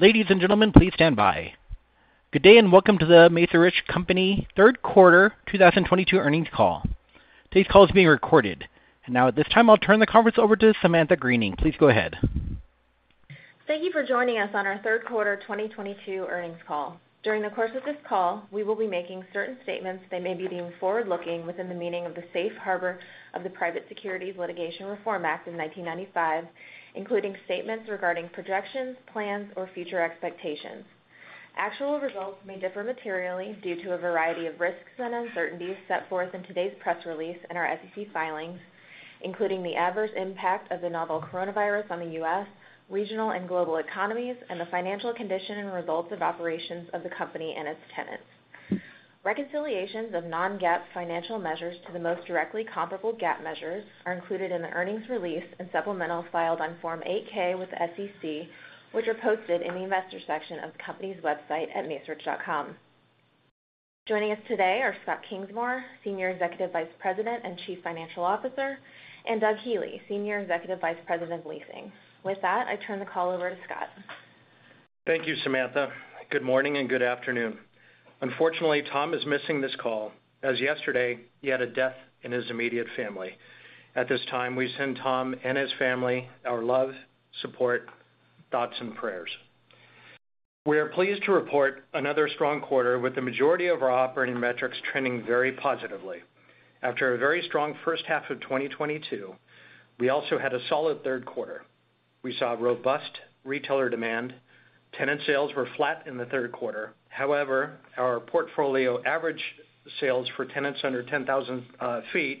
Ladies and gentlemen, please stand by. Good day, and welcome to the Macerich Company Third Quarter 2022 Earnings call. Today's call is being recorded. Now at this time, I'll turn the conference over to Samantha Greening. Please go ahead. Thank you for joining us on our third quarter 2022 earnings call. During the course of this call, we will be making certain statements that may be deemed forward-looking within the meaning of the safe harbor of the Private Securities Litigation Reform Act of 1995, including statements regarding projections, plans, or future expectations. Actual results may differ materially due to a variety of risks and uncertainties set forth in today's press release and our SEC filings, including the adverse impact of the novel coronavirus on the U.S., regional and global economies, and the financial condition and results of operations of the company and its tenants. Reconciliations of non-GAAP financial measures to the most directly comparable GAAP measures are included in the earnings release and supplementals filed on Form 8-K with the SEC, which are posted in the investor section of the company's website at macerich.com. Joining us today are Scott Kingsmore, Senior Executive Vice President and Chief Financial Officer, and Doug Healey, Senior Executive Vice President of Leasing. With that, I turn the call over to Scott. Thank you Samantha. Good morning and good afternoon. Unfortunately, Thomas is missing this call as yesterday he had a death in his immediate family. At this time, we send Tom and his family our love, support, thoughts and prayers. We are pleased to report another strong quarter with the majority of our operating metrics trending very positively. After a very strong first half of 2022, we also had a solid third quarter. We saw robust retailer demand. Tenant sales were flat in the third quarter. However, our portfolio average sales for tenants under 10,000 sq ft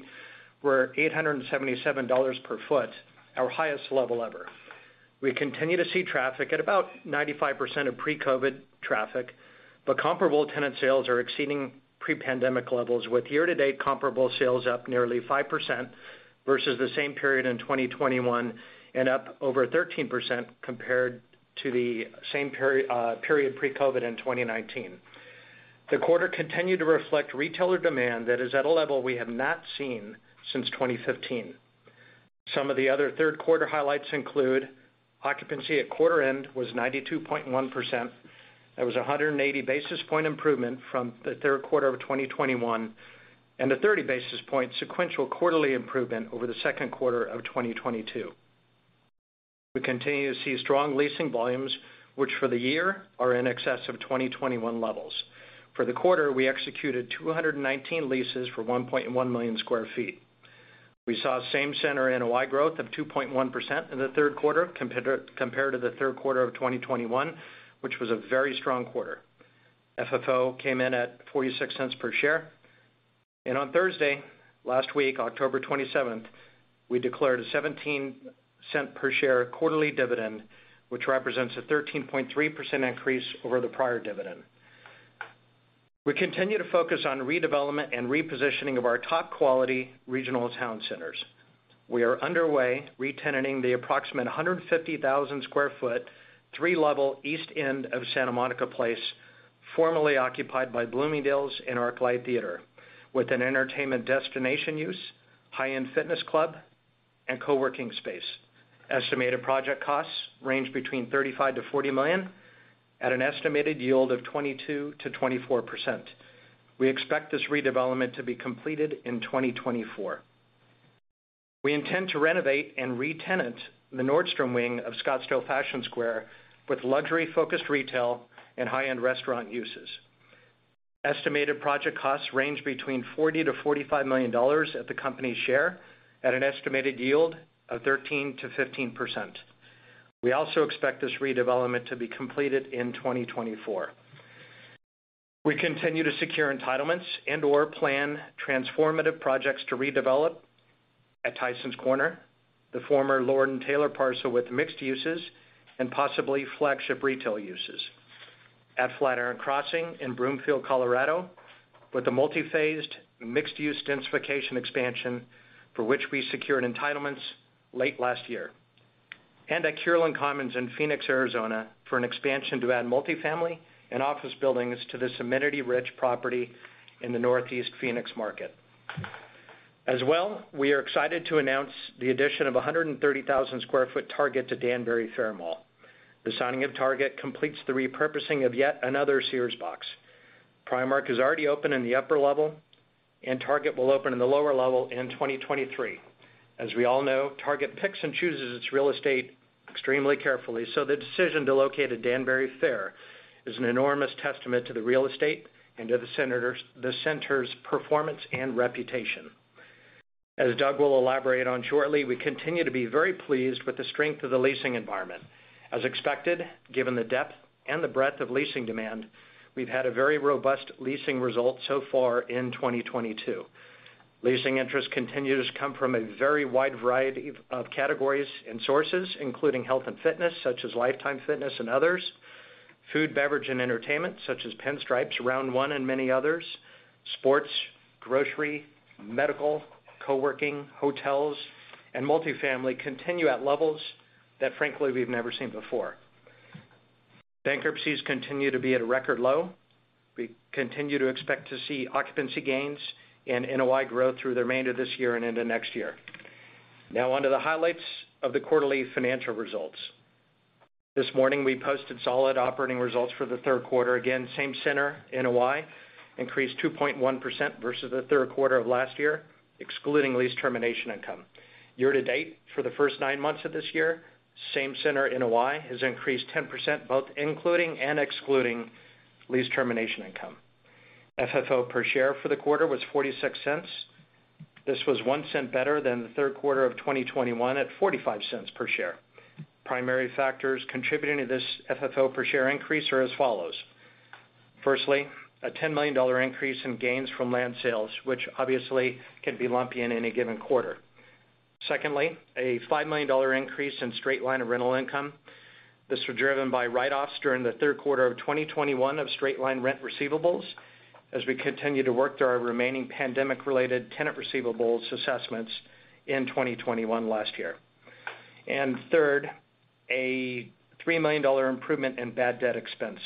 were $877 per sq ft, our highest level ever. We continue to see traffic at about 95% of pre-COVID traffic, but comparable tenant sales are exceeding pre-pandemic levels, with year-to-date comparable sales up nearly 5% versus the same period in 2021 and up over 13% compared to the same period pre-COVID in 2019. The quarter continued to reflect retailer demand that is at a level we have not seen since 2015. Some of the other third quarter highlights include occupancy at quarter end was 92.1%. That was 180 basis point improvement from the third quarter of 2021, and a 30 basis point sequential quarterly improvement over the second quarter of 2022. We continue to see strong leasing volumes, which for the year are in excess of 2021 levels. For the quarter, we executed 219 leases for 1.1 million sq ft. We saw same center NOI growth of 2.1% in the third quarter compared to the third quarter of 2021, which was a very strong quarter. FFO came in at $0.46 per share. On Thursday last week, October 27th, we declared a $0.17 per share quarterly dividend, which represents a 13.3% increase over the prior dividend. We continue to focus on redevelopment and repositioning of our top quality regional town centers. We are underway re-tenanting the approximate 150,000 sq ft, three-level east end of Santa Monica Place, formerly occupied by Bloomingdale's and ArcLight Cinemas, with an entertainment destination use, high-end fitness club, and co-working space. Estimated project costs range between $35-40 million at an estimated yield of 22%-24%. We expect this redevelopment to be completed in 2024. We intend to renovate and re-tenant the Nordstrom wing of Scottsdale Fashion Square with luxury-focused retail and high-end restaurant uses. Estimated project costs range between $40-45 million at the company's share at an estimated yield of 13%-15%. We also expect this redevelopment to be completed in 2024. We continue to secure entitlements and/or plan transformative projects to redevelop at Tysons Corner, the former Lord & Taylor parcel with mixed uses and possibly flagship retail uses. At Flatiron Crossing in Broomfield, Colorado with the multi-phased mixed use densification expansion for which we secured entitlements late last year. At Kierland Commons in Phoenix, Arizona for an expansion to add multifamily and office buildings to this amenity-rich property in the Northeast Phoenix market. We are excited to announce the addition of 130,000 sq ft Target to Danbury Fair Mall. The signing of Target completes the repurposing of yet another Sears box. Primark is already open in the upper level, and Target will open in the lower level in 2023. As we all know, Target picks and chooses its real estate extremely carefully, so the decision to locate at Danbury Fair is an enormous testament to the real estate and to the center's performance and reputation. As Doug will elaborate on shortly, we continue to be very pleased with the strength of the leasing environment. As expected, given the depth and the breadth of leasing demand, we've had a very robust leasing result so far in 2022. Leasing interest continues to come from a very wide variety of categories and sources, including health and fitness, such as Life Time and others. Food, beverage, and entertainment, such as Pinstripes, Round1, and many others. Sports, grocery, medical, co-working, hotels, and multifamily continue at levels that frankly we've never seen before. Bankruptcies continue to be at a record low. We continue to expect to see occupancy gains and NOI growth through the remainder of this year and into next year. Now on to the highlights of the quarterly financial results. This morning, we posted solid operating results for the third quarter. Again, same center NOI increased 2.1% versus the third quarter of last year, excluding lease termination income. Year to date, for the first nine months of this year, same center NOI has increased 10%, both including and excluding lease termination income. FFO per share for the quarter was $0.46. This was $0.01 better than the third quarter of 2021 at $0.45 per share. Primary factors contributing to this FFO per share increase are as follows. Firstly, a $10 million increase in gains from land sales, which obviously can be lumpy in any given quarter. Secondly, a $5 million increase in straight line rental income. This was driven by write-offs during the third quarter of 2021 of straight line rent receivables as we continue to work through our remaining pandemic-related tenant receivables assessments in 2021 last year. Third, a $3 million improvement in bad debt expense.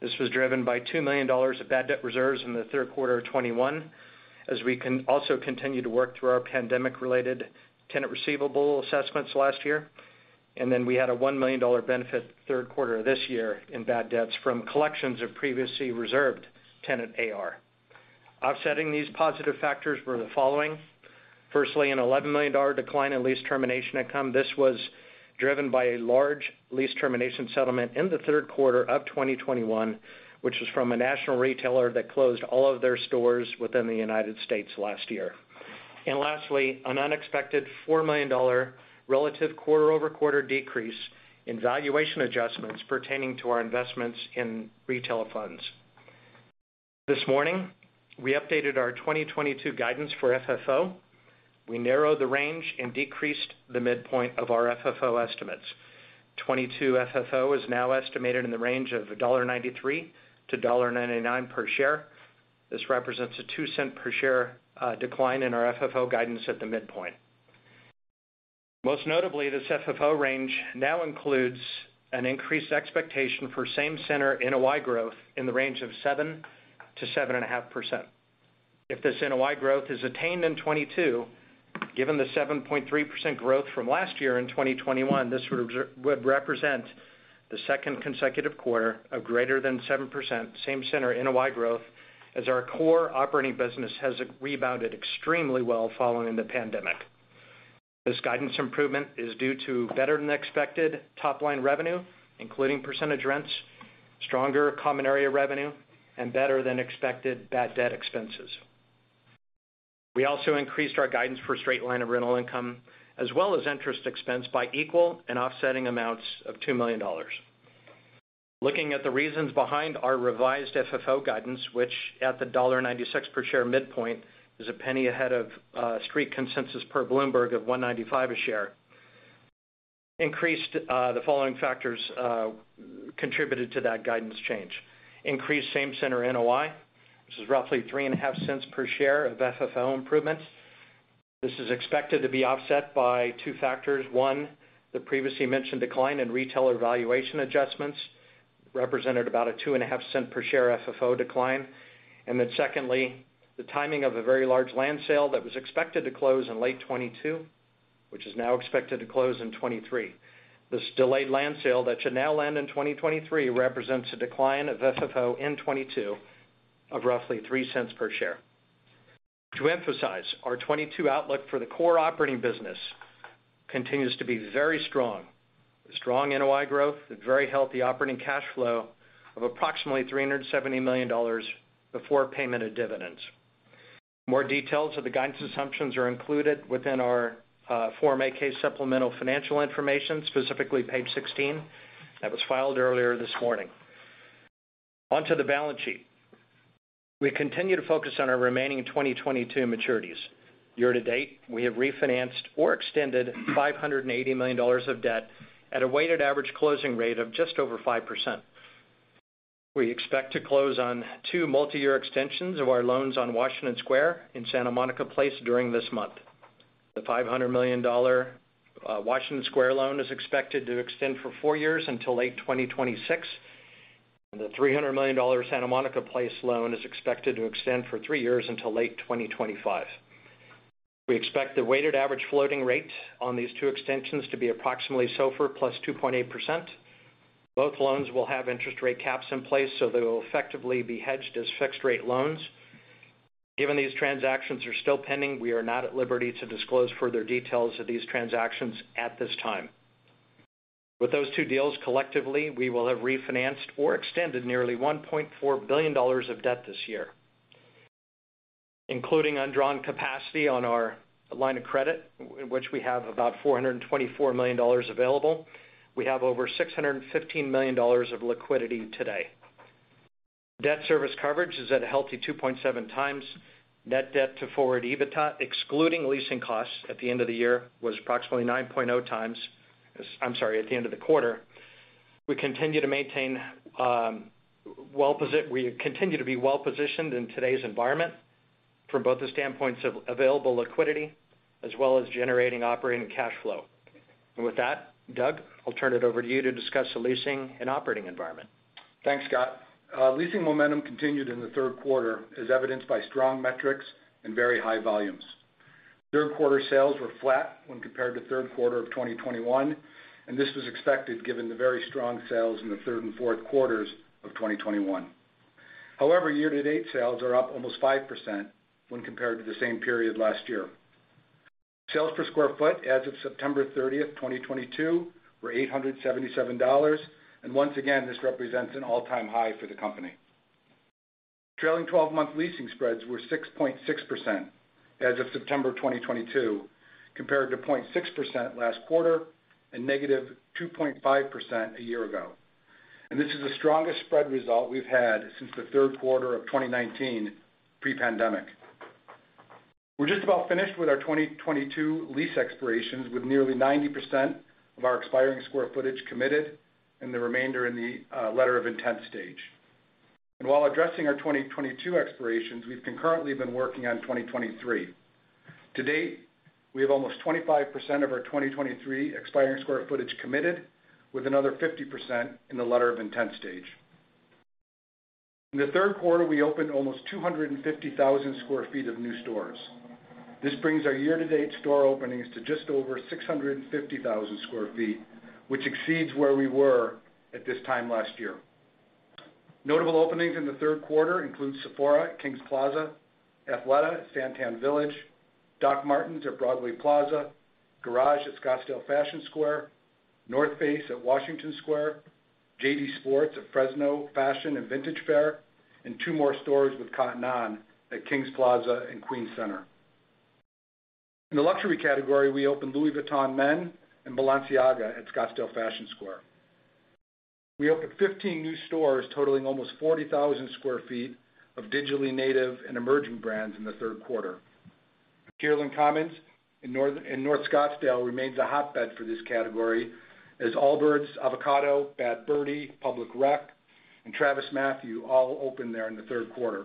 This was driven by $2 million of bad debt reserves in the third quarter of 2021 as we also continue to work through our pandemic-related tenant receivable assessments last year. We had a $1 million benefit third quarter this year in bad debts from collections of previously reserved tenant AR. Offsetting these positive factors were the following. Firstly, an $11 million decline in lease termination income. This was driven by a large lease termination settlement in the third quarter of 2021, which was from a national retailer that closed all of their stores within the United States last year. Lastly, an unexpected $4 million relative quarter-over-quarter decrease in valuation adjustments pertaining to our investments in retail funds. This morning, we updated our 2022 guidance for FFO. We narrowed the range and decreased the midpoint of our FFO estimates. A 2022 FFO is now estimated in the range of $1.93-$1.99 per share. This represents a $0.02 per share decline in our FFO guidance at the midpoint. Most notably, this FFO range now includes an increased expectation for same center NOI growth in the range of 7%-7.5%. If this NOI growth is attained in 2022, given the 7.3% growth from last year in 2021, this would represent the second consecutive quarter of greater than 7% same center NOI growth as our core operating business has rebounded extremely well following the pandemic. This guidance improvement is due to better than expected top line revenue, including percentage rents, stronger common area revenue, and better than expected bad debt expenses. We also increased our guidance for straight line of rental income as well as interest expense by equal and offsetting amounts of $2 million. Looking at the reasons behind our revised FFO guidance, which at the $1.96 per share midpoint is a penny ahead of street consensus per Bloomberg of $1.95 a share, the following factors contributed to that guidance change. Increased same center NOI, which is roughly $3.5 per share of FFO improvements. This is expected to be offset by two factors. One, the previously mentioned decline in retailer valuation adjustments represented about a $2.5 per share FFO decline. Then secondly, the timing of a very large land sale that was expected to close in late 2022, which is now expected to close in 2023. This delayed land sale that should now land in 2023 represents a decline of FFO in 2022 of roughly $0.03 per share. To emphasize, our 2022 outlook for the core operating business continues to be very strong. Strong NOI growth, a very healthy operating cash flow of approximately $370 million before payment of dividends. More details of the guidance assumptions are included within our Form 8-K supplemental financial information, specifically page 16, that was filed earlier this morning. On to the balance sheet. We continue to focus on our remaining 2022 maturities. Year to date, we have refinanced or extended $580 million of debt at a weighted average closing rate of just over 5%. We expect to close on two multiyear extensions of our loans on Washington Square in Santa Monica Place during this month. The $500 million Washington Square loan is expected to extend for four years until late 2026. The $300 million Santa Monica Place loan is expected to extend for three years until late 2025. We expect the weighted average floating rate on these two extensions to be approximately SOFR +2.8%. Both loans will have interest rate caps in place, so they will effectively be hedged as fixed rate loans. Given these transactions are still pending, we are not at liberty to disclose further details of these transactions at this time. With those two deals collectively, we will have refinanced or extended nearly $1.4 billion of debt this year. Including undrawn capacity on our line of credit, which we have about $424 million available, we have over $615 million of liquidity today. Debt service coverage is at a healthy 2.7x. Net debt to forward EBITDA, excluding leasing costs at the end of the quarter, was approximately 9.0x. We continue to be well-positioned in today's environment from both the standpoints of available liquidity as well as generating operating cash flow. With that, Doug I'll turn it over to you to discuss the leasing and operating environment. Thanks Scott. Leasing momentum continued in the third quarter as evidenced by strong metrics and very high volumes. Third quarter sales were flat when compared to third quarter of 2021, and this was expected given the very strong sales in the third and fourth quarters of 2021. However, year-to-date sales are up almost 5% when compared to the same period last year. Sales per sq ft as of September 30, 2022 were $877 and once again, this represents an all-time high for the company. Trailing 12-month leasing spreads were 6.6% as of September 2022, compared to 0.6% last quarter and -2.5% a year ago. This is the strongest spread result we've had since the third quarter of 2019 pre-pandemic. We're just about finished with our 2022 lease expirations, with nearly 90% of our expiring sq ft committed and the remainder in the letter of intent stage. While addressing our 2022 expirations, we've concurrently been working on 2023. To date, we have almost 25% of our 2023 expiring sq ft committed, with another 50% in the letter of intent stage. In the third quarter, we opened almost 250,000 sq ft of new stores. This brings our year-to-date store openings to just over 650,000 sq ft, which exceeds where we were at this time last year. Notable openings in the third quarter include Sephora at Kings Plaza, Athleta at SanTan Village, Dr. Martens at Broadway Plaza, Garage at Scottsdale Fashion Square, The North Face at Washington Square, JD Sports at Fashion Fair and Vintage Faire, and two more stores with Cotton On at Kings Plaza and Queens Center. In the luxury category, we opened Louis Vuitton Men and Balenciaga at Scottsdale Fashion Square. We opened 15 new stores totaling almost 40,000 sq ft of digitally native and emerging brands in the third quarter. Kierland Commons in North Scottsdale remains a hotbed for this category as Allbirds, Avocado, Bad Birdie, Public Rec, and TravisMathew all opened there in the third quarter.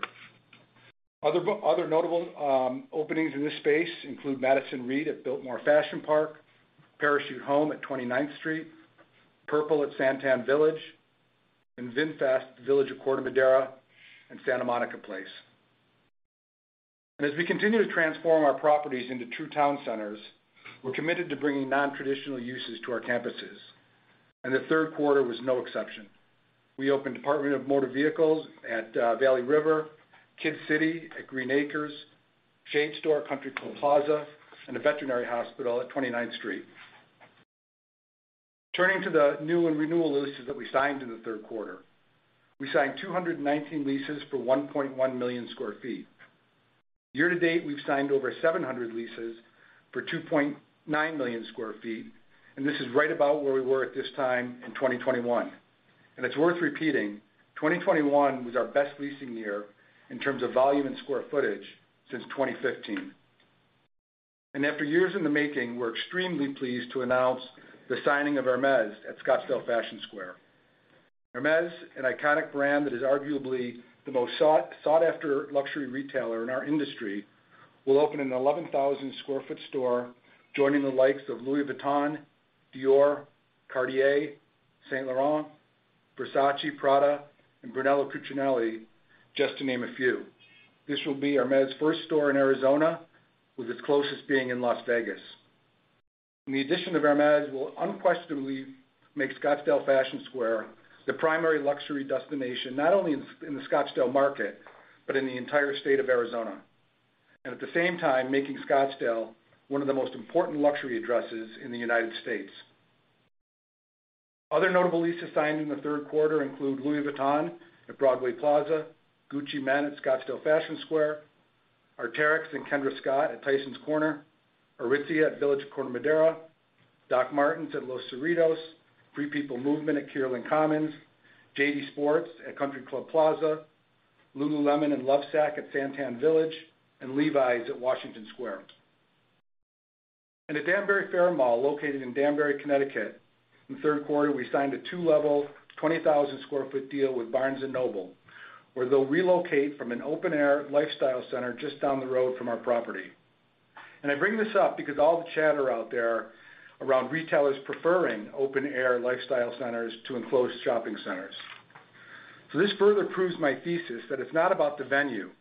Other notable openings in this space include Madison Reed at Biltmore Fashion Park, Parachute Home at Twenty-Ninth Street, Purple at SanTan Village, and VinFast at Village at Corte Madera and Santa Monica Place. As we continue to transform our properties into true town centers, we're committed to bringing nontraditional uses to our campuses, and the third quarter was no exception. We opened Department of Motor Vehicles at Valley River, Kids Empire at Green Acres, The Shade Store at Country Club Plaza, and a veterinary hospital at Twenty-Ninth Street. Turning to the new and renewal leases that we signed in the third quarter. We signed 219 leases for 1.1 million sq ft. Year to date, we've signed over 700 leases for 2.9 million sq ft, and this is right about where we were at this time in 2021. It's worth repeating, 2021 was our best leasing year in terms of volume and square footage since 2015. After years in the making, we're extremely pleased to announce the signing of Hermès at Scottsdale Fashion Square. Hermès, an iconic brand that is arguably the most sought-after luxury retailer in our industry, will open an 11,000 sq ft store, joining the likes of Louis Vuitton, Dior, Cartier, Saint Laurent, Versace, Prada, and Brunello Cucinelli, just to name a few. This will be Hermès' first store in Arizona, with its closest being in Las Vegas. The addition of Hermès will unquestionably make Scottsdale Fashion Square the primary luxury destination not only in the Scottsdale market, but in the entire state of Arizona. At the same time, making Scottsdale one of the most important luxury addresses in the United States. Other notable leases signed in the third quarter include Louis Vuitton at Broadway Plaza, Gucci Men at Scottsdale Fashion Square, Arc'teryx and Kendra Scott at Tysons Corner, Aritzia at Village at Corte Madera, Dr. Martens at Los Cerritos, Free People Movement at Kierland Commons, JD Sports at Country Club Plaza, Lululemon and Lovesac at SanTan Village, and Levi's at Washington Square. In the Danbury Fair Mall, located in Danbury, Connecticut, in the third quarter, we signed a two-level, 20,000 sq ft deal with Barnes & Noble, where they'll relocate from an open air lifestyle center just down the road from our property. I bring this up because of all the chatter out there around retailers preferring open air lifestyle centers to enclosed shopping centers. This further proves my thesis that it's not about the venue,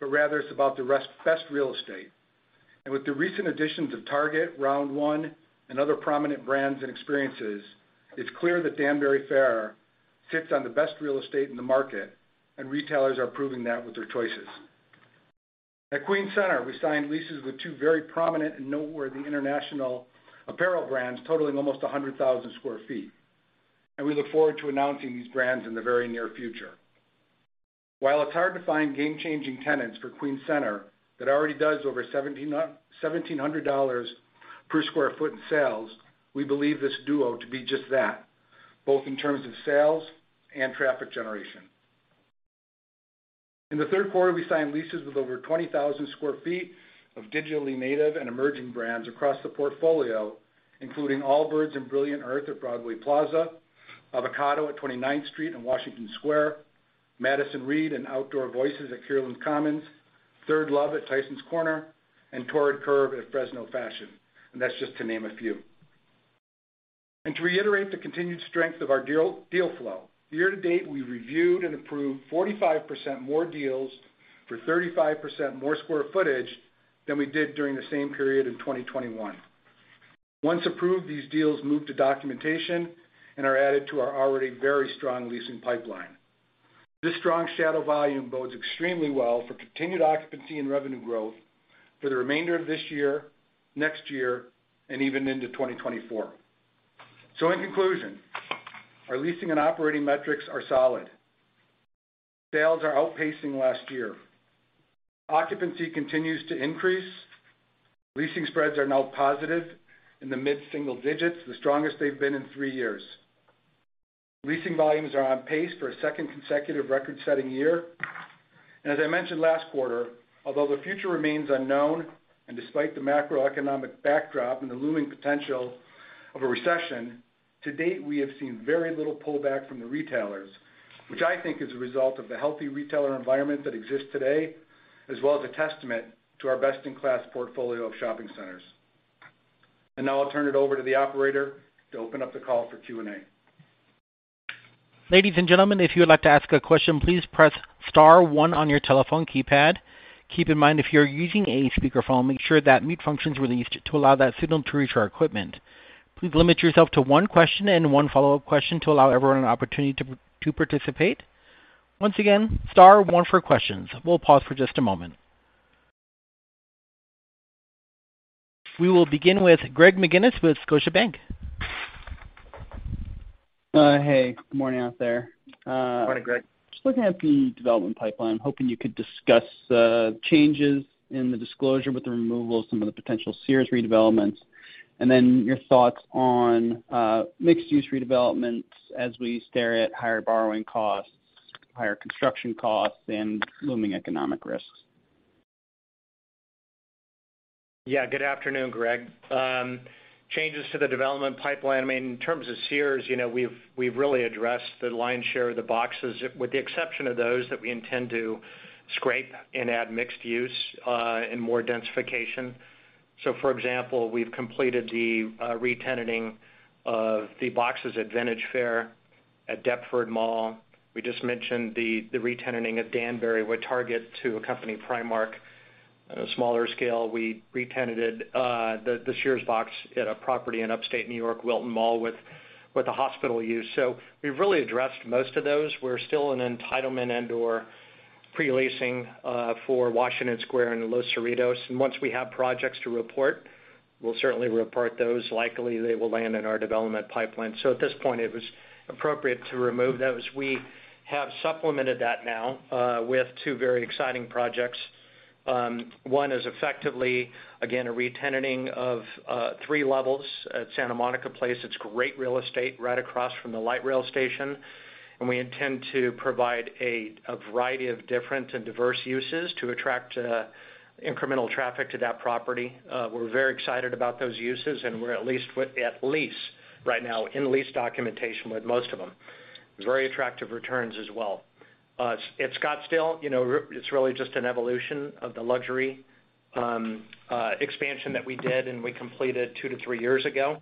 but rather it's about the best real estate. With the recent additions of Target, Round1, and other prominent brands and experiences, it's clear that Danbury Fair sits on the best real estate in the market, and retailers are proving that with their choices. At Queens Center, we signed leases with two very prominent and noteworthy international apparel brands totaling almost 100,000 sq ft, and we look forward to announcing these brands in the very near future. While it's hard to find game-changing tenants for Queens Center that already does over $1,700 per sq ft in sales, we believe this duo to be just that, both in terms of sales and traffic generation. In the third quarter, we signed leases with over 20,000 sq ft of digitally native and emerging brands across the portfolio, including Allbirds and Brilliant Earth at Broadway Plaza, Avocado at Twenty-Ninth Street and Washington Square. Madison Reed and Outdoor Voices at Kierland Commons, ThirdLove at Tysons Corner, and Torrid Curve at Fashion Fair, and that's just to name a few. To reiterate the continued strength of our deal flow, year to date, we reviewed and approved 45% more deals for 35% more square footage than we did during the same period in 2021. Once approved, these deals move to documentation and are added to our already very strong leasing pipeline. This strong shadow volume bodes extremely well for continued occupancy and revenue growth for the remainder of this year, next year, and even into 2024. In conclusion, our leasing and operating metrics are solid. Sales are outpacing last year. Occupancy continues to increase. Leasing spreads are now positive in the mid-single digits, the strongest they've been in three years. Leasing volumes are on pace for a second consecutive record-setting year. As I mentioned last quarter, although the future remains unknown and despite the macroeconomic backdrop and the looming potential of a recession, to date, we have seen very little pullback from the retailers, which I think is a result of the healthy retailer environment that exists today, as well as a testament to our best-in-class portfolio of shopping centers. Now I'll turn it over to the operator to open up the call for Q&A. Ladies and gentlemen, if you would like to ask a question, please press star one on your telephone keypad. Keep in mind, if you're using a speakerphone, make sure that mute function is released to allow that signal to reach our equipment. Please limit yourself to one question and one follow-up question to allow everyone an opportunity to participate. Once again, star one for questions. We'll pause for just a moment. We will begin with Greg McGinniss with Scotiabank. Hey, good morning out there. Morning Greg. Just looking at the development pipeline, hoping you could discuss changes in the disclosure with the removal of some of the potential Sears redevelopments, and then your thoughts on mixed use redevelopments as we stare at higher borrowing costs, higher construction costs, and looming economic risks. Yeah, good afternoon Greg. Changes to the development pipeline, I mean, in terms of Sears, you know, we've really addressed the lion's share of the boxes, with the exception of those that we intend to scrape and add mixed use, and more densification. For example, we've completed the re-tenanting of the boxes at Vintage Faire, at Deptford Mall. We just mentioned the re-tenanting at Danbury with Target to accompany Primark. On a smaller scale, we re-tenanted the Sears box at a property in upstate New York, Wilton Mall, with a hospital use. We've really addressed most of those. We're still in entitlement and/or pre-leasing for Washington Square in Los Cerritos. Once we have projects to report, we'll certainly report those. Likely, they will land in our development pipeline. At this point, it was appropriate to remove those. We have supplemented that now with two very exciting projects. One is effectively, again, a re-tenanting of three levels at Santa Monica Place. It's great real estate right across from the light rail station, and we intend to provide a variety of different and diverse uses to attract incremental traffic to that property. We're very excited about those uses, and we're at least at lease right now, in lease documentation with most of them. Very attractive returns as well. At Scottsdale, you know, it's really just an evolution of the luxury expansion that we did and we completed two-three years ago.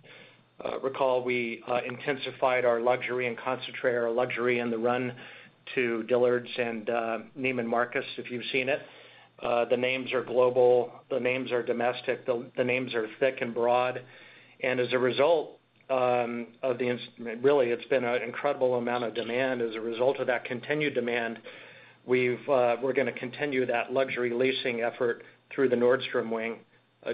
Recall we intensified our luxury and concentrate our luxury in the run to Dillard's and Neiman Marcus, if you've seen it. The names are global, the names are domestic, the names are thick and broad. As a result, really, it's been an incredible amount of demand. As a result of that continued demand, we're gonna continue that luxury leasing effort through the Nordstrom wing.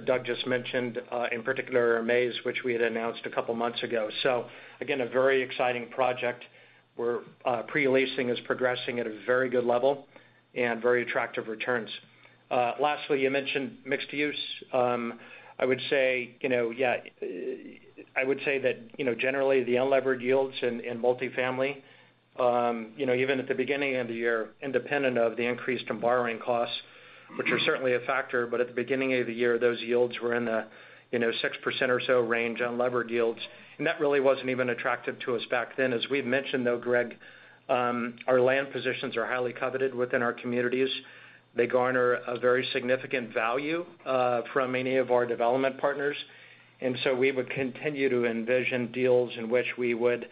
Doug just mentioned in particular Amaze, which we had announced a couple months ago. Again, a very exciting project. Our pre-leasing is progressing at a very good level and very attractive returns. Lastly, you mentioned mixed use.I would say that, you know, generally, the unlevered yields in multifamily, you know, even at the beginning of the year, independent of the increase from borrowing costs, which are certainly a factor, but at the beginning of the year, those yields were in the, you know, 6% or so range on levered yields. That really wasn't even attractive to us back then. As we've mentioned, though, Greg, our land positions are highly coveted within our communities. They garner a very significant value from many of our development partners. We would continue to envision deals in which we would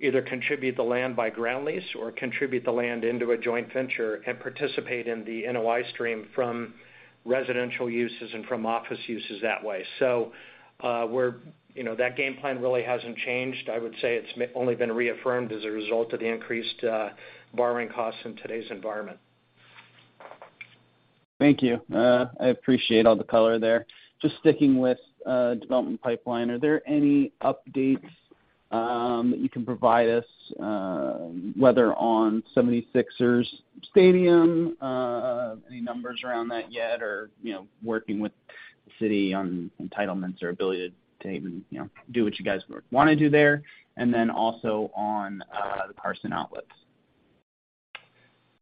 either contribute the land by ground lease or contribute the land into a joint venture and participate in the NOI stream from residential uses and from office uses that way. We're, you know, that game plan really hasn't changed. I would say it's only been reaffirmed as a result of the increased borrowing costs in today's environment. Thank you, I appreciate all the color there. Just sticking with development pipeline, are there any updates that you can provide us whether on 76ers stadium any numbers around that yet or, you know, working with the city on entitlements or ability to even, you know, do what you guys wanna do there? And then also on the Outlets at Carson.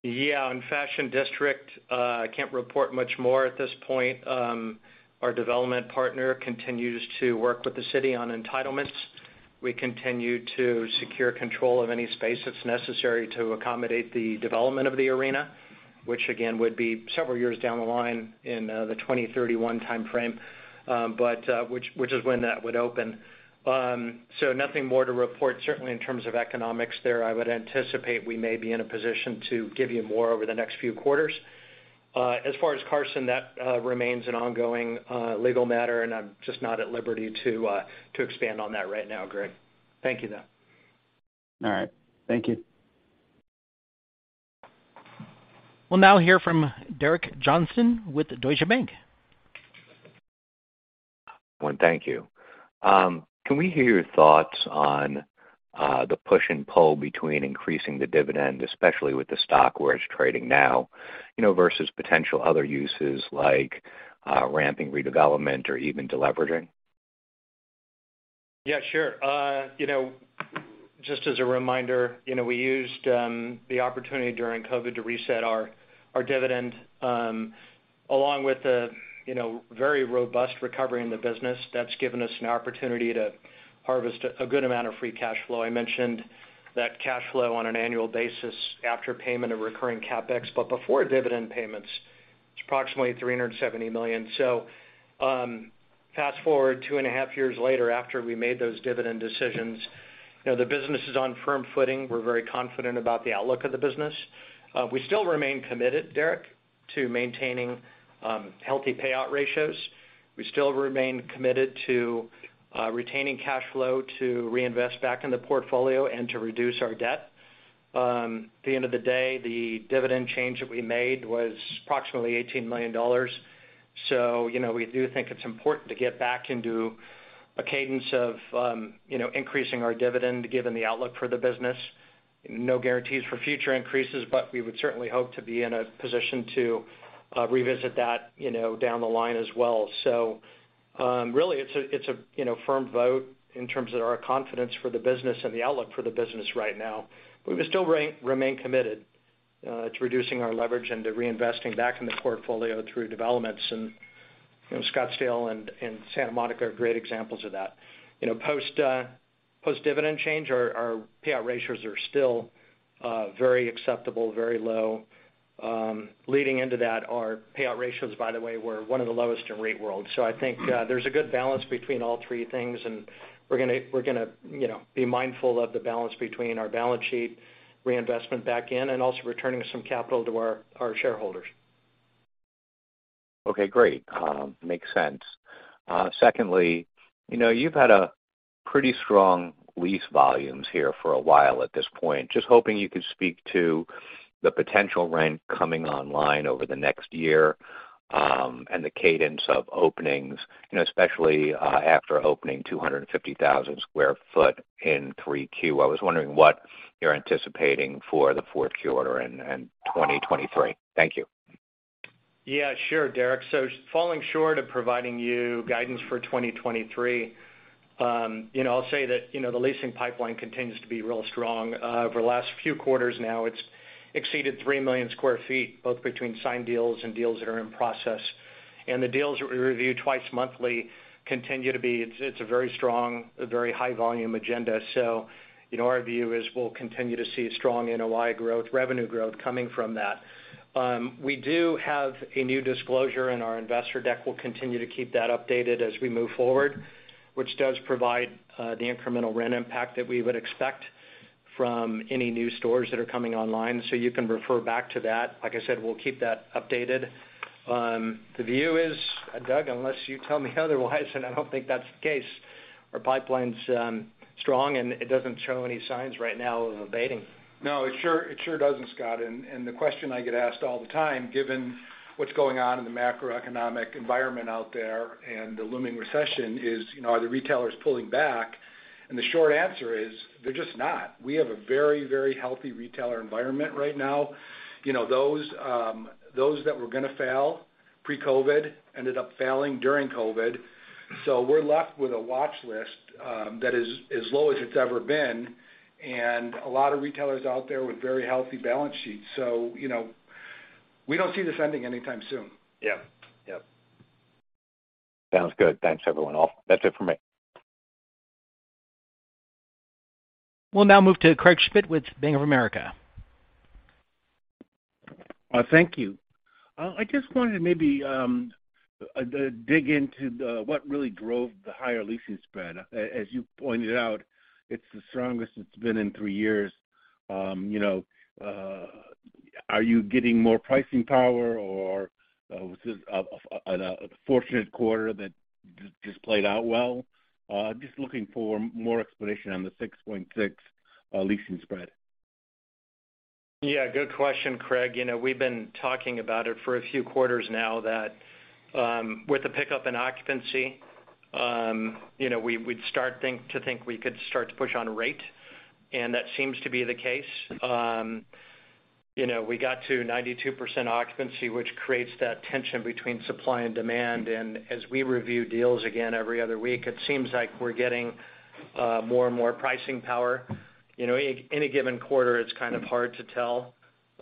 Yeah. On Fashion District, can't report much more at this point. Our development partner continues to work with the city on entitlements. We continue to secure control of any space that's necessary to accommodate the development of the arena, which again would be several years down the line in the 2031 time frame, but which is when that would open. Nothing more to report certainly in terms of economics there. I would anticipate we may be in a position to give you more over the next few quarters. As far as Carson, that remains an ongoing legal matter, and I'm just not at liberty to expand on that right now Greg. Thank you though. All right, thank you. We'll now hear from Derek Johnston with Deutsche Bank. One, thank you. Can we hear your thoughts on the push and pull between increasing the dividend, especially with the stock where it's trading now, you know, versus potential other uses like ramping redevelopment or even deleveraging? Yeah, sure. You know, just as a reminder, you know, we used the opportunity during COVID to reset our dividend along with the very robust recovery in the business. That's given us an opportunity to harvest a good amount of free cash flow. I mentioned that cash flow on an annual basis after payment of recurring CapEx, but before dividend payments, it's approximately $370 million. Fast-forward 2.5 years later, after we made those dividend decisions, you know, the business is on firm footing. We're very confident about the outlook of the business. We still remain committed Derek, to maintaining healthy payout ratios. We still remain committed to retaining cash flow to reinvest back in the portfolio and to reduce our debt. At the end of the day, the dividend change that we made was approximately $18 million. You know, we do think it's important to get back into a cadence of, you know, increasing our dividend given the outlook for the business. No guarantees for future increases, but we would certainly hope to be in a position to, revisit that, you know, down the line as well. Really it's a, you know, firm vote in terms of our confidence for the business and the outlook for the business right now. We still remain committed, to reducing our leverage and to reinvesting back in the portfolio through developments and you know, Scottsdale and Santa Monica are great examples of that. You know, post-dividend change, our payout ratios are still, very acceptable, very low. Leading into that, our payout ratios, by the way, were one of the lowest in REIT world. I think, there's a good balance between all three things, and we're gonna, you know, be mindful of the balance between our balance sheet reinvestment back in and also returning some capital to our shareholders. Okay, great, makes sense. Secondly, you know, you've had a pretty strong lease volumes here for a while at this point. Just hoping you could speak to the potential rent coming online over the next year, and the cadence of openings, you know, especially, after opening 250,000 sq ft in 3Q. I was wondering what you're anticipating for the fourth quarter and 2023. Thank you. Yeah. Sure, Derek. Falling short of providing you guidance for 2023, you know, I'll say that, you know, the leasing pipeline continues to be real strong. Over the last few quarters now, it's exceeded 3 million sq ft, both between signed deals and deals that are in process. The deals that we review twice monthly continue to be a very strong, a very high volume agenda. You know, our view is we'll continue to see strong NOI growth, revenue growth coming from that. We do have a new disclosure in our investor deck. We'll continue to keep that updated as we move forward, which does provide the incremental rent impact that we would expect from any new stores that are coming online. You can refer back to that, ike I said, we'll keep that updated. The view is, Doug unless you tell me otherwise, and I don't think that's the case, our pipeline's strong, and it doesn't show any signs right now of abating. No, it sure doesn't, Scott. The question I get asked all the time, given what's going on in the macroeconomic environment out there and the looming recession is, you know, are the retailers pulling back? The short answer is, they're just not. We have a very, very healthy retailer environment right now. You know, those that were gonna fail pre-COVID ended up failing during COVID. We're left with a watch list that is as low as it's ever been and a lot of retailers out there with very healthy balance sheets. You know, we don't see this ending anytime soon. Yeah. Sounds good, thanks everyone. That's it for me. We'll now move to Craig Schmidt with Bank of America. Thank you. I just wanted to maybe dig into what really drove the higher leasing spread. As you pointed out, it's the strongest it's been in three years. You know, are you getting more pricing power or was this an fortunate quarter that just played out well? Just looking for more explanation on the 6.6 leasing spread. Yeah, good question Craig. You know, we've been talking about it for a few quarters now that with the pickup in occupancy, you know, we'd start to think we could start to push on rate, and that seems to be the case. You know, we got to 92% occupancy, which creates that tension between supply and demand. As we review deals again every other week, it seems like we're getting more and more pricing power. You know, any given quarter, it's kind of hard to tell.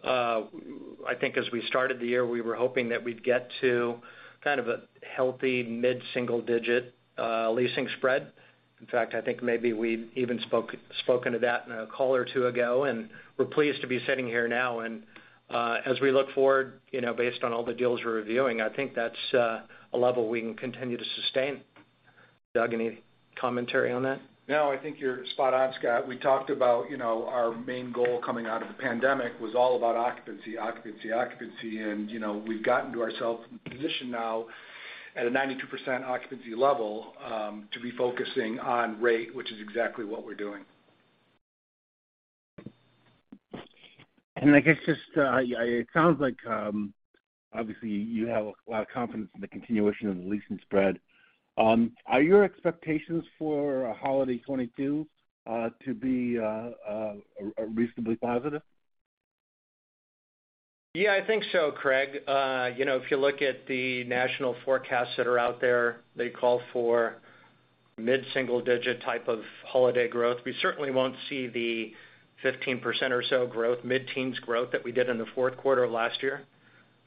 I think as we started the year, we were hoping that we'd get to kind of a healthy mid-single-digit leasing spread. In fact, I think maybe we've even spoken to that in a call or two ago, and we're pleased to be sitting here now. As we look forward, you know, based on all the deals we're reviewing, I think that's a level we can continue to sustain. Doug any commentary on that? No, I think you're spot on Scott. We talked about, you know, our main goal coming out of the pandemic was all about occupancy. You know, we've gotten ourselves in position now at a 92% occupancy level to be focusing on rate, which is exactly what we're doing. I guess just it sounds like obviously you have a lot of confidence in the continuation of the leasing spread. Are your expectations for a holiday 2022 to be reasonably positive? Yeah, I think so, Craig. You know, if you look at the national forecasts that are out there, they call for mid-single-digit type of holiday growth. We certainly won't see the 15% or so growth, mid-teens growth that we did in the fourth quarter of last year.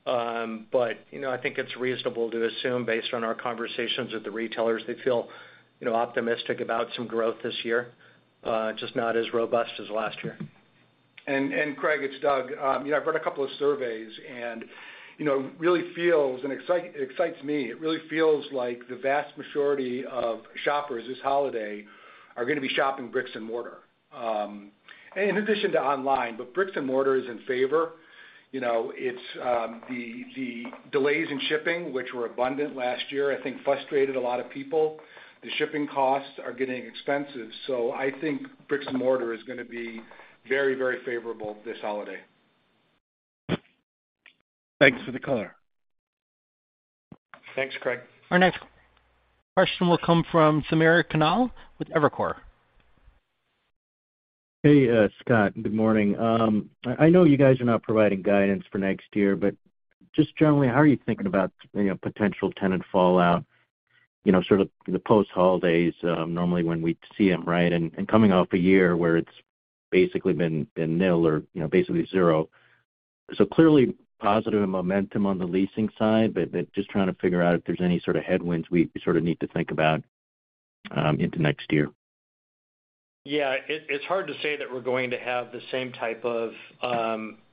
You know, I think it's reasonable to assume based on our conversations with the retailers, they feel, you know, optimistic about some growth this year, just not as robust as last year. Craig, it's Doug. You know, I've read a couple of surveys and, you know, it really excites me. It really feels like the vast majority of shoppers this holiday are gonna be shopping bricks and mortar, in addition to online, but bricks and mortar is in favor. You know, it's the delays in shipping, which were abundant last year, I think frustrated a lot of people. The shipping costs are getting expensive. I think bricks and mortar is gonna be very, very favorable this holiday. Thanks for the color. Thanks Craig. Our next question will come from Samir Khanal with Evercore. Hey Scott, good morning. I know you guys are not providing guidance for next year, but just generally, how are you thinking about, you know, potential tenant fallout, you know, sort of the post holidays, normally when we see them, right? Coming off a year where it's basically been nil or, you know, basically zero. Clearly positive momentum on the leasing side, but just trying to figure out if there's any sort of headwinds we sort of need to think about into next year. Yeah. It's hard to say that we're going to have the same type of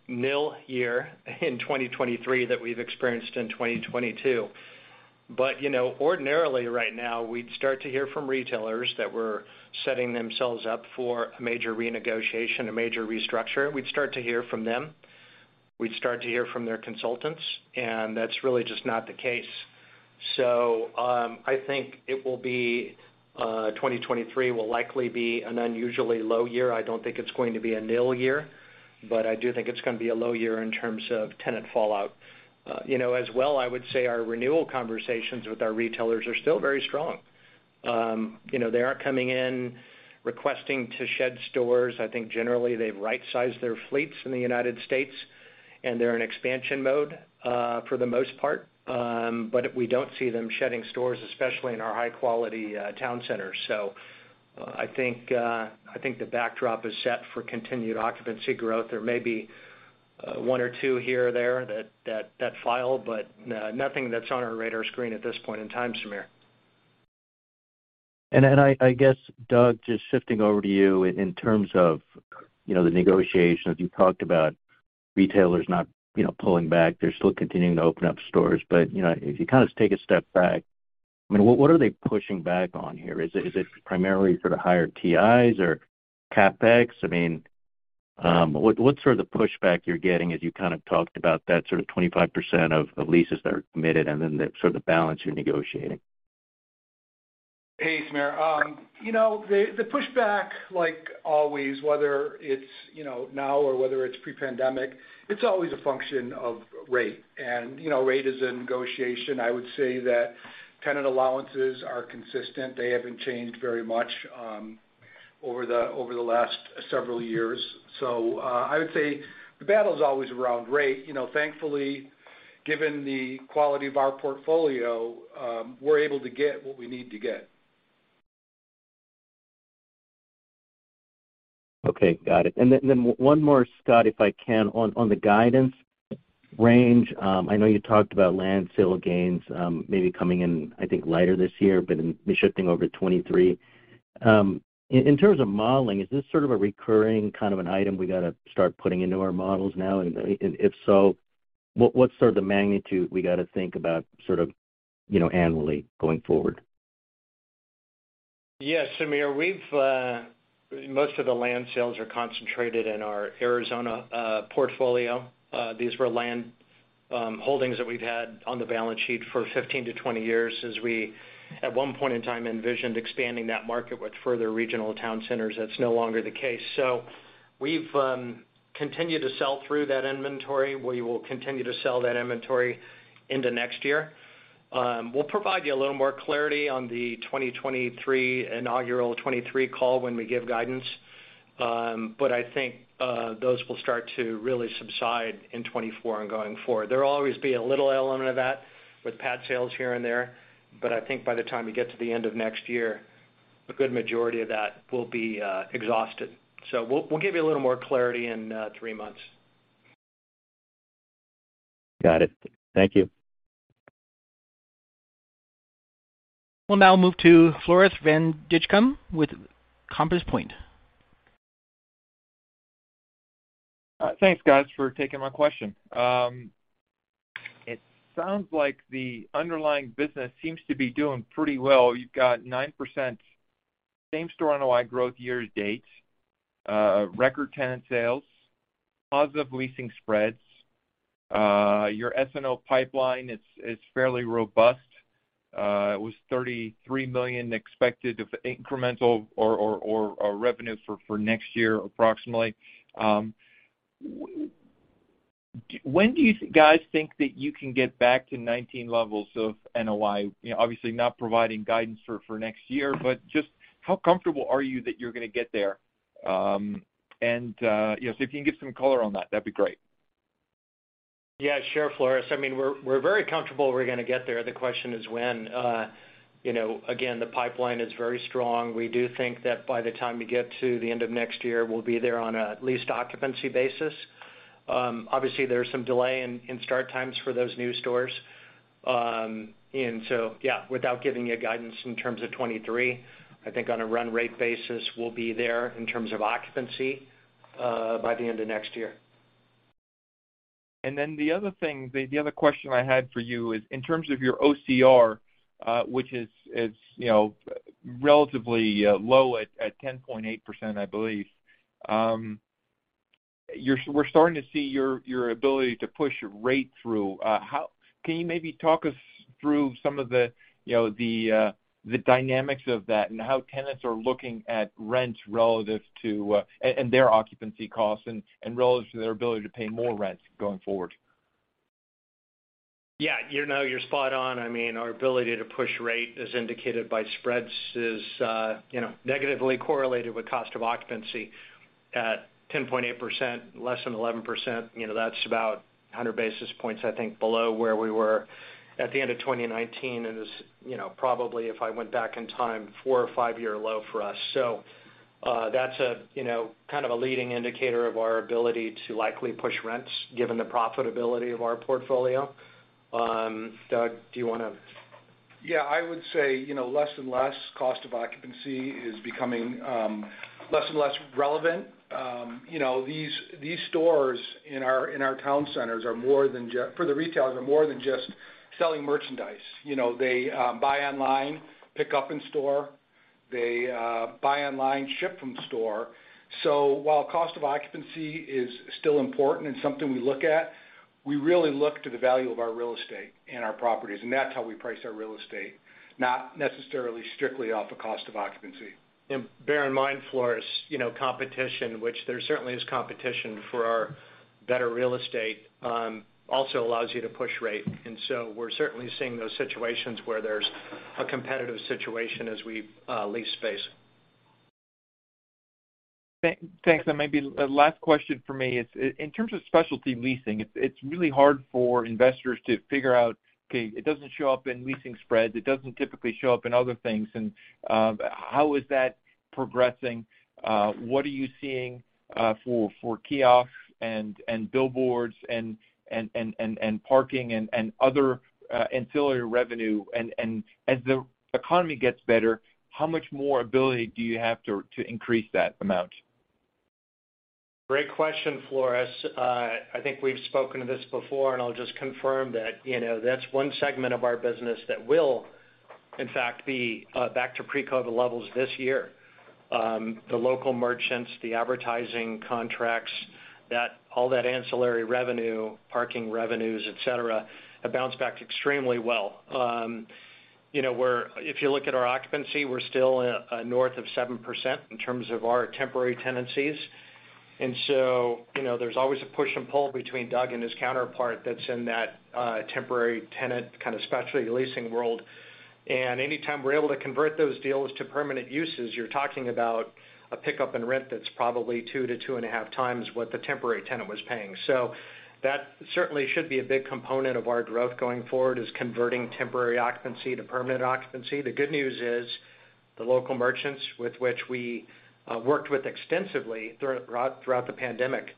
nil year in 2023 that we've experienced in 2022. You know, ordinarily right now, we'd start to hear from retailers that were setting themselves up for a major renegotiation, a major restructure. We'd start to hear from them and their consultants, and that's really just not the case. I think 2023 will likely be an unusually low year. I don't think it's going to be a nil year, but I do think it's gonna be a low year in terms of tenant fallout. You know, as well, I would say our renewal conversations with our retailers are still very strong. You know, they aren't coming in requesting to shed stores. I think generally they've right-sized their fleets in the United States, and they're in expansion mode for the most part. We don't see them shedding stores, especially in our high-quality town centers. I think the backdrop is set for continued occupancy growth. There may be one or two here or there that file, but nothing that's on our radar screen at this point in time Samir. I guess Doug, just shifting over to you in terms of, you know, the negotiations. You talked about retailers not, you know, pulling back. They're still continuing to open up stores. If you kind of take a step back, I mean, what are they pushing back on here? Is it primarily sort of higher TIs or CapEx? I mean, what's sort of the pushback you're getting as you kind of talked about that sort of 25% of leases that are committed and then the sort of balance you're negotiating? Hey Samir, you know, the pushback, like always, whether it's you know, now or whether it's pre-pandemic, it's always a function of rate. You know, rate is a negotiation. I would say that tenant allowances are consistent. They haven't changed very much over the last several years. I would say the battle's always around rate. You know, thankfully, given the quality of our portfolio, we're able to get what we need to get. Okay, got it. One more Scott, if I can, on the guidance range. I know you talked about land sale gains, maybe coming in, I think, lighter this year, but then we'll be shifting over to 2023. In terms of modeling, is this sort of a recurring kind of an item we gotta start putting into our models now? If so, what's sort of the magnitude we gotta think about sort of, you know, annually going forward? Yeah Samir, we've most of the land sales are concentrated in our Arizona portfolio. These were land holdings that we've had on the balance sheet for 15-20 years as we, at one point in time, envisioned expanding that market with further regional town centers that's no longer the case. We've continued to sell through that inventory. We will continue to sell that inventory into next year. We'll provide you a little more clarity on the 2023 inaugural 2023 call when we give guidance. I think those will start to really subside in 2024 and going forward. There'll always be a little element of that with pad sales here and there, but I think by the time we get to the end of next year. A good majority of that will be exhausted. We'll give you a little more clarity in three months. Got it, thank you. We'll now move to Floris van Dijkum with Compass Point. Thanks guys for taking my question. It sounds like the underlying business seems to be doing pretty well. You've got 9% same store NOI growth year-to-date, record tenant sales, positive leasing spreads. Your SNO pipeline, it's fairly robust. It was $33 million expected of incremental revenue for next year, approximately. When do you guys think that you can get back to 2019 levels of NOI? You know, obviously not providing guidance for next year, but just how comfortable are you that you're gonna get there? You know, if you can give some color on that'd be great. Yeah sure, Floris. I mean, we're very comfortable we're gonna get there. The question is when. You know, again, the pipeline is very strong. We do think that by the time we get to the end of next year, we'll be there on a leased occupancy basis. Obviously, there's some delay in start times for those new stores. Yeah, without giving you guidance in terms of 2023, I think on a run rate basis, we'll be there in terms of occupancy by the end of next year. The other thing, the other question I had for you is in terms of your OCR, which is you know relatively low at 10.8%, I believe. We're starting to see your ability to push rate through. Can you maybe talk us through some of the you know the dynamics of that and how tenants are looking at rents relative to and their occupancy costs and relative to their ability to pay more rents going forward? Yeah. You know, you're spot on. I mean, our ability to push rate, as indicated by spreads, is you know, negatively correlated with cost of occupancy at 10.8%, less than 11%. You know, that's about 100 basis points, I think, below where we were at the end of 2019. Is you know, probably if I went back in time, four- or five-year low for us. That's a you know, kind of a leading indicator of our ability to likely push rents given the profitability of our portfolio. Doug, do you wanna? Yeah. I would say, you know, less and less cost of occupancy is becoming less and less relevant. You know, these stores in our town centers are more than for the retailers, are more than just selling merchandise. You know, they buy online, pick up in store. They buy online, ship from store. While cost of occupancy is still important and something we look at, we really look to the value of our real estate and our properties, and that's how we price our real estate, not necessarily strictly off of cost of occupancy. Bear in mind Floris, you know, competition, which there certainly is competition for our better real estate, also allows you to push rate. And so we're certainly seeing those situations where there's a competitive situation as we lease space. Thanks, maybe a last question for me is in terms of specialty leasing. It's really hard for investors to figure out. Okay, it doesn't show up in leasing spreads. It doesn't typically show up in other things. How is that progressing? What are you seeing for kiosks and billboards and parking and other ancillary revenue? As the economy gets better, how much more ability do you have to increase that amount? Great question Floris. I think we've spoken to this before, and I'll just confirm that, you know, that's one segment of our business that will in fact be back to pre-COVID levels this year. The local merchants, the advertising contracts, that all that ancillary revenue, parking revenues, etc., have bounced back extremely well. You know, we're if you look at our occupancy, we're still north of 7% in terms of our temporary tenancies. You know, there's always a push and pull between Doug and his counterpart that's in that temporary tenant kind of specialty leasing world. Anytime we're able to convert those deals to permanent uses, you're talking about a pickup in rent that's probably 2x-2.5x what the temporary tenant was paying. That certainly should be a big component of our growth going forward, is converting temporary occupancy to permanent occupancy. The good news is the local merchants with which we worked with extensively throughout the pandemic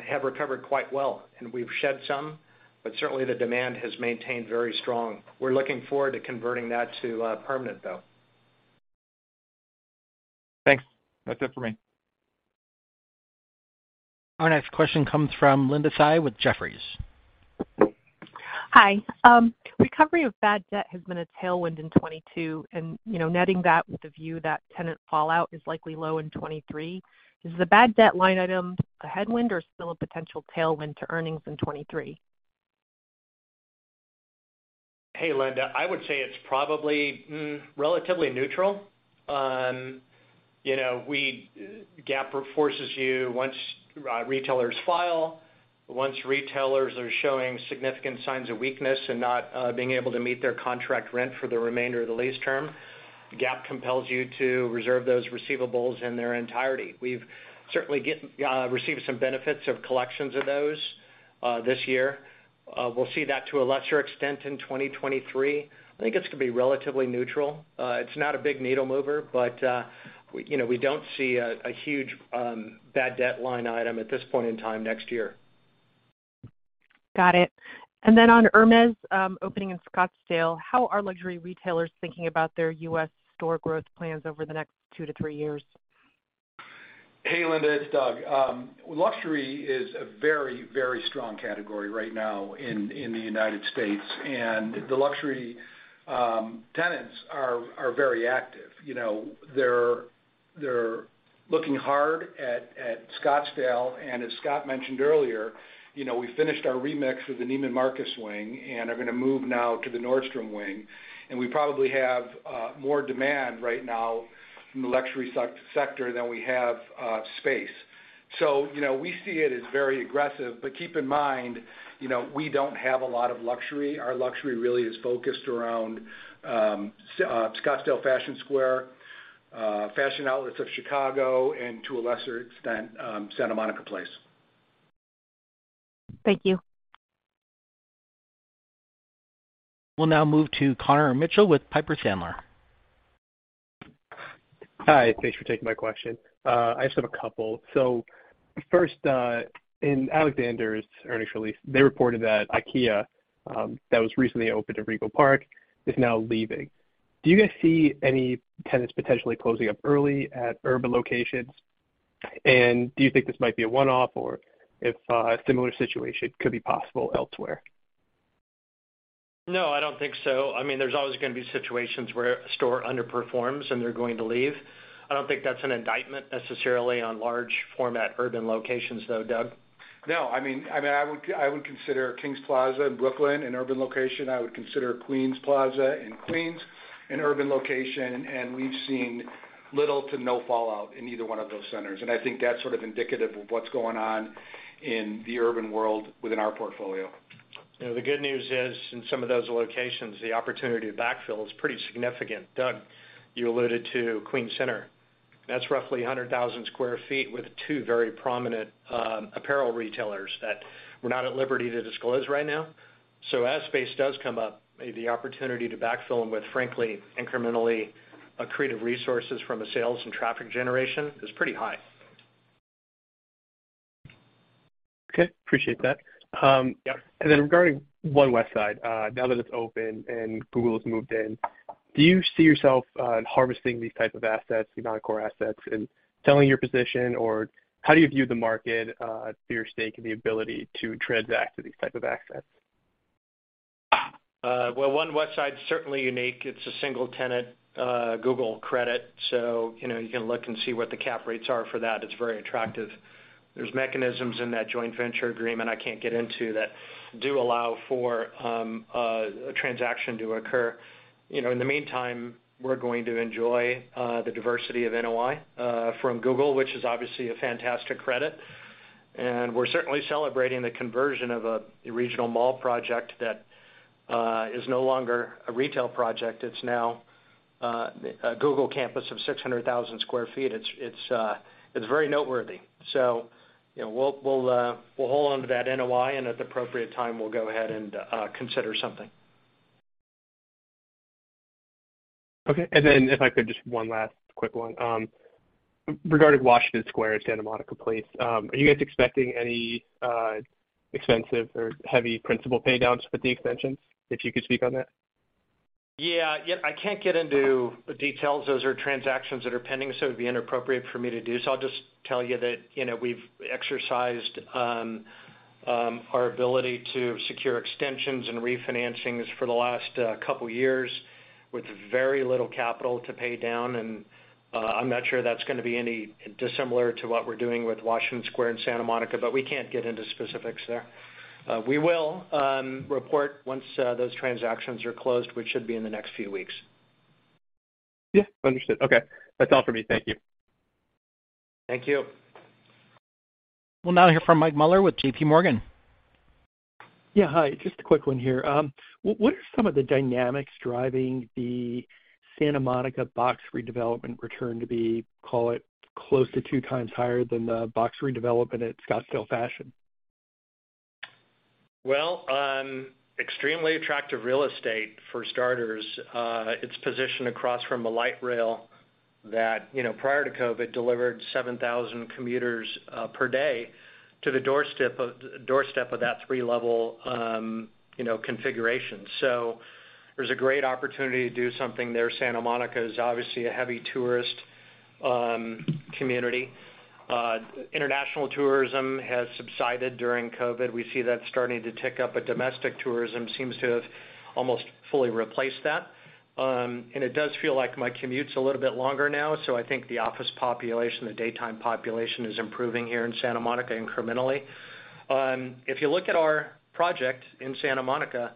have recovered quite well. We've shed some, but certainly the demand has maintained very strong. We're looking forward to converting that to permanent, though. Thanks, that's it for me. Our next question comes from Linda Tsai with Jefferies. Hi. Recovery of bad debt has been a tailwind in 2022 and you know, netting that with the view that tenant fallout is likely low in 2023, is the bad debt line item a headwind or still a potential tailwind to earnings in 2023? Hey, Linda. I would say it's probably relatively neutral. You know, GAAP forces you once retailers are showing significant signs of weakness and not being able to meet their contract rent for the remainder of the lease term, GAAP compels you to reserve those receivables in their entirety. We've certainly received some benefits of collections of those this year. We'll see that to a lesser extent in 2023. I think it's gonna be relatively neutral. It's not a big needle mover, but we, you know, we don't see a huge bad debt line item at this point in time next year. Got it. On Hermès opening in Scottsdale, how are luxury retailers thinking about their U.S. store growth plans over the next two to three years? Hey, Linda, it's Doug. Luxury is a very strong category right now in the United States. The luxury tenants are very active. You know, they're looking hard at Scottsdale, and as Scott mentioned earlier, you know, we finished our remix with the Neiman Marcus wing and are gonna move now to the Nordstrom wing. We probably have more demand right now from the luxury sector than we have space. You know, we see it as very aggressive, but keep in mind, you know, we don't have a lot of luxury. Our luxury really is focused around Scottsdale Fashion Square, Fashion Outlets of Chicago, and to a lesser extent, Santa Monica Place. Thank you. We'll now move to Connor Mitchell with Piper Sandler. Hi, thanks for taking my question. I just have a couple. First, in Alexander's earnings release, they reported that IKEA that was recently opened at Rego Park, is now leaving. Do you guys see any tenants potentially closing up early at urban locations? Do you think this might be a one-off or if a similar situation could be possible elsewhere? No, I don't think so. I mean, there's always gonna be situations where a store underperforms, and they're going to leave. I don't think that's an indictment necessarily on large format urban locations, though Doug. No. I mean, I would consider Kings Plaza in Brooklyn an urban location. I would consider Queens Center in Queens an urban location, and we've seen little to no fallout in either one of those centers. I think that's sort of indicative of what's going on in the urban world within our portfolio. You know, the good news is, in some of those locations, the opportunity to backfill is pretty significant. Doug, you alluded to Queens Center that's roughly 100,000 sq ft with two very prominent apparel retailers that we're not at liberty to disclose right now. As space does come up, the opportunity to backfill them with, frankly, incrementally accretive resources from a sales and traffic generation is pretty high. Okay, appreciate that. Yep. Regarding One Westside, now that it's open and Google has moved in, do you see yourself harvesting these type of assets, the non-core assets, and selling your position? Or how do you view the market, your stake, and the ability to transact to these type of assets? Well, One Westside's certainly unique. It's a single tenant, Google credit. You know, you can look and see what the cap rates are for that. It's very attractive. There's mechanisms in that joint venture agreement I can't get into that do allow for a transaction to occur. You know, in the meantime, we're going to enjoy the diversity of NOI from Google, which is obviously a fantastic credit. We're certainly celebrating the conversion of a regional mall project that is no longer a retail project. It's now a Google campus of 600,000 sq ft it's very noteworthy. You know, we'll hold on to that NOI, and at the appropriate time, we'll go ahead and consider something. Okay. If I could, just one last quick one. Regarding Washington Square at Santa Monica Place, are you guys expecting any extensive or heavy principal paydowns with the extensions, if you could speak on that? Yeah, I can't get into the details. Those are transactions that are pending, so it'd be inappropriate for me to do so. I'll just tell you that, you know, we've exercised our ability to secure extensions and refinancings for the last couple years with very little capital to pay down. I'm not sure that's gonna be any dissimilar to what we're doing with Washington Square and Santa Monica, but we can't get into specifics there. We will report once those transactions are closed, which should be in the next few weeks. Yeah, understood. Oka, that's all for me. Thank you. Thank you. We'll now hear from Mike Mueller with JPMorgan. Yeah. Hi, just a quick one here. What are some of the dynamics driving the Santa Monica Place redevelopment return to be, call it, close to two times higher than the Place redevelopment at Scottsdale Fashion Square? Well, extremely attractive real estate for starters. It's positioned across from a light rail that, you know, prior to COVID, delivered 7,000 commuters per day to the doorstep of that three-level, you know, configuration. There's a great opportunity to do something there. Santa Monica is obviously a heavy tourist community. International tourism has subsided during COVID. We see that starting to tick up, but domestic tourism seems to have almost fully replaced that. It does feel like my commute's a little bit longer now, so I think the office population, the daytime population is improving here in Santa Monica incrementally. If you look at our project in Santa Monica,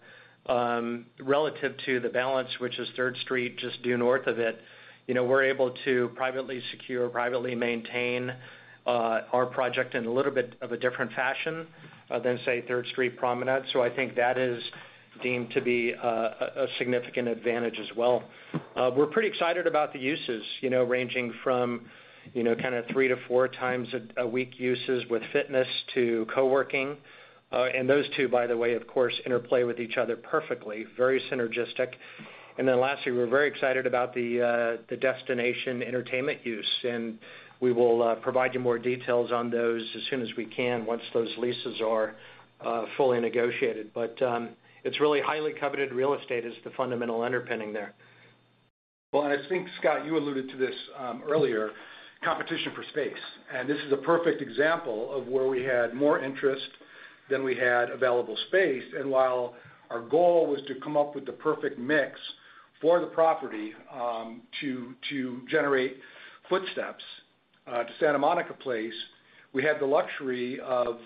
relative to the balance, which is Third Street just due north of it, you know, we're able to privately secure, privately maintain, our project in a little bit of a different fashion, than, say, Third Street Promenade. I think that is deemed to be a significant advantage as well. We're pretty excited about the uses, you know, ranging from, you know, kinda 3x to 4x a week uses with fitness to co-working. And those two, by the way, of course, interplay with each other perfectly. Very synergistic then lastly, we're very excited about the destination entertainment use, and we will provide you more details on those as soon as we can once those leases are fully negotiated. It's really highly coveted real estate is the fundamental underpinning there. Well, I think Scott you alluded to this earlier, competition for space. This is a perfect example of where we had more interest than we had available space. While our goal was to come up with the perfect mix for the property to generate foot traffic to Santa Monica Place, we had the luxury of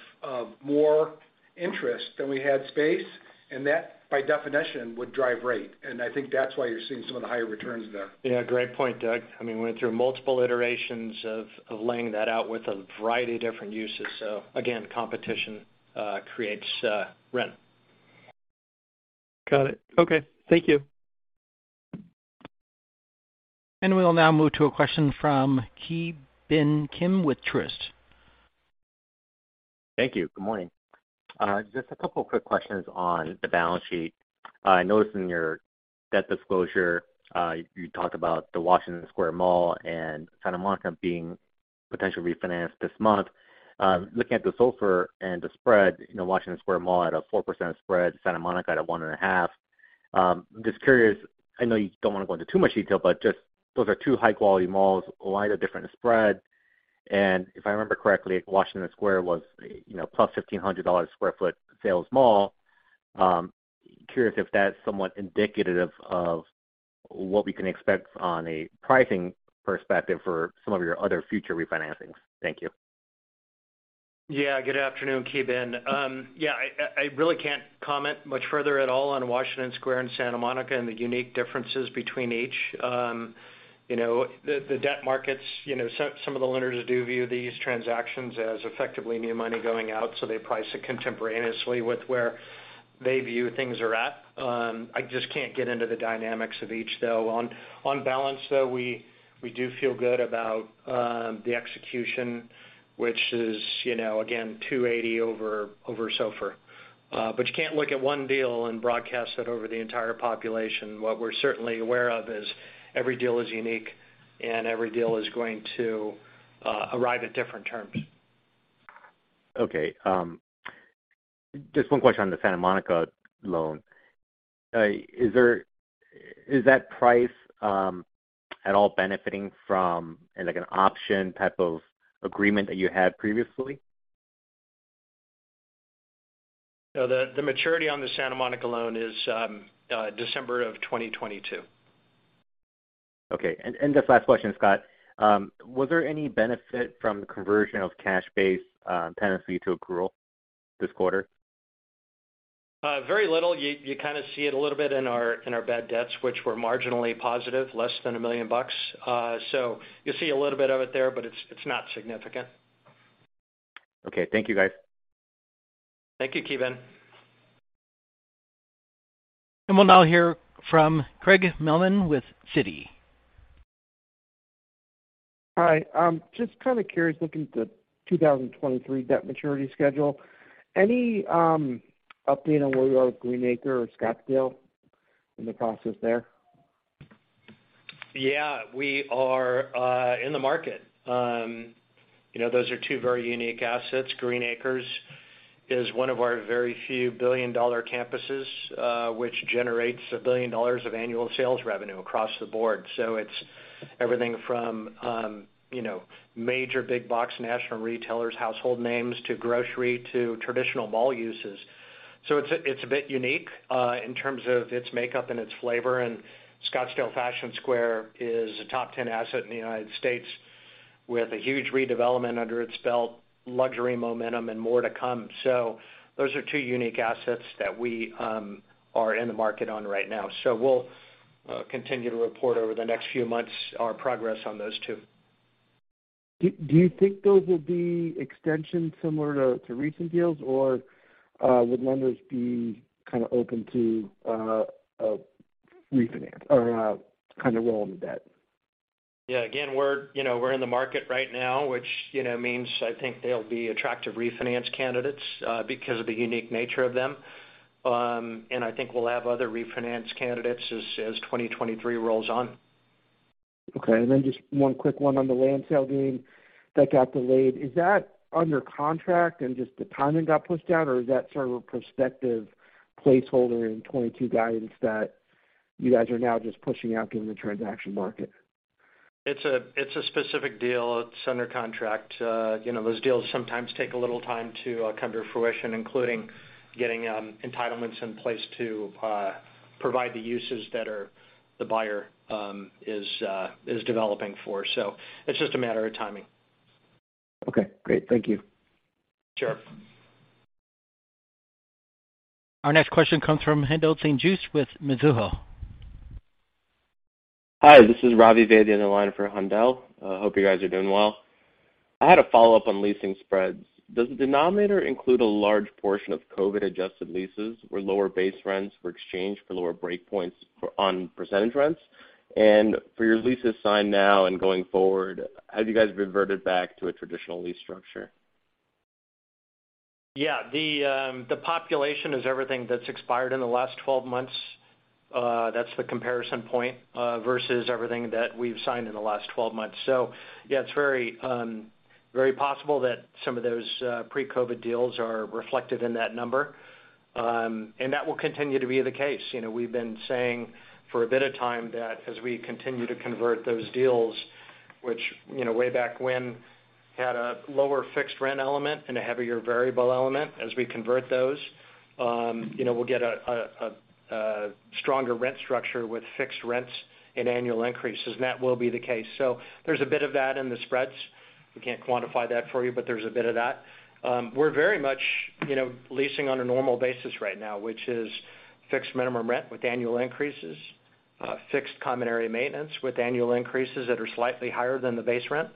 more interest than we had space, and that, by definition, would drive rate. I think that's why you're seeing some of the higher returns there. Yeah, great point Doug. I mean, we went through multiple iterations of laying that out with a variety of different uses. Again, competition creates rent. Got it, okay. Thank you. We'll now move to a question from Ki Bin Kim with Truist. Thank you, good morning. Just a couple of quick questions on the balance sheet. I noticed in your debt disclosure, you talked about the Washington Square Mall and Santa Monica being potentially refinanced this month. Looking at the SOFR and the spread, you know, Washington Square Mall at a 4% spread, Santa Monica at one and half. Just curious, I know you don't wanna go into too much detail, but just those are two high-quality malls with widely different spreads. If I remember correctly, Washington Square was, you know, plus $1,500 a sq ft sales mall. Curious if that's somewhat indicative of what we can expect on a pricing perspective for some of your other future refinancings. Thank you. God afternoon, Ki Bin. I really can't comment much further at all on Washington Square and Santa Monica and the unique differences between each. You know, the debt markets, you know, some of the lenders do view these transactions as effectively new money going out, so they price it contemporaneously with where they view things are at. I just can't get into the dynamics of each, though. On balance, though, we do feel good about the execution, which is, you know, again, 280 over SOFR. But you can't look at one deal and broadcast that over the entire population. What we're certainly aware of is every deal is unique, and every deal is going to arrive at different terms. Okay. Just one question on the Santa Monica loan. Is that price at all benefiting from like an option type of agreement that you had previously? No. The maturity on the Santa Monica loan is December of 2022. Okay. Just last question Scott. Was there any benefit from conversion of cash basis tenancy to accrual this quarter? Very little. You kinda see it a little bit in our bad debts, which were marginally positive, less than $1 million. You'll see a little bit of it there, but it's not significant. Okay. Thank you guys. Thank you Ki Bin Kim. We'll now hear from Craig Mailman with Citi. Hi. I'm just kind of curious, looking at the 2023 debt maturity schedule. Any update on where you are with Green Acres or Scottsdale in the process there? Yeah. We are in the market. You know, those are two very unique assets. Green Acres is one of our very few billion-dollar campuses, which generates $1 billion of annual sales revenue across the board. It's everything from, you know, major big box national retailers, household names, to grocery, to traditional mall uses. It's a bit unique in terms of its makeup and its flavor. Scottsdale Fashion Square is a top 10 asset in the United States with a huge redevelopment under its belt, luxury momentum and more to come. Those are two unique assets that we are in the market on right now. We'll continue to report over the next few months our progress on those two. Do you think those will be extensions similar to recent deals, or would lenders be kinda open to refinance or kinda rolling the debt? Yeah, again, you know, we're in the market right now, which, you know, means I think they'll be attractive refinance candidates because of the unique nature of them. I think we'll have other refinance candidates as 2023 rolls on. Okay. Just one quick one on the land sale gain that got delayed. Is that under contract and just the timing got pushed out, or is that sort of a prospective placeholder in 2022 guidance that you guys are now just pushing out given the transaction market? It's a specific deal. It's under contract. You know, those deals sometimes take a little time to come to fruition, including getting entitlements in place to provide the uses that the buyer is developing for. It's just a matter of timing. Okay, great. Thank you. Sure. Our next question comes from Haendel St. Juste with Mizuho. Hi, this is Ravi Vaidya on the line for Haendel. I hope you guys are doing well. I had a follow-up on leasing spreads. Does the denominator include a large portion of COVID adjusted leases where lower base rents were exchanged for lower break points on percentage rents? For your leases signed now and going forward, have you guys reverted back to a traditional lease structure? Yeah. The population is everything that's expired in the last 12 months that's the comparison point versus everything that we've signed in the last 12 months. Yeah, it's very possible that some of those pre-COVID deals are reflected in that number that will continue to be the case. You know, we've been saying for a bit of time that as we continue to convert those deals, which, you know, way back when had a lower fixed rent element and a heavier variable element, as we convert those, you know, we'll get a stronger rent structure with fixed rents and annual increases, and that will be the case. There's a bit of that in the spreads. We can't quantify that for you, but there's a bit of that. We're very much, you know, leasing on a normal basis right now, which is fixed minimum rent with annual increases, fixed common area maintenance with annual increases that are slightly higher than the base rent,